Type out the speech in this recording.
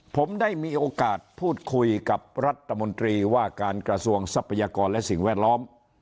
ผมได้มีโอกาสพูดคุยกับรัฐมนตรีว่าการกระทรวงทรัพยากรและสิ่งแวดล้อม